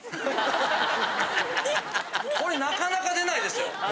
これなかなか出ないですよ。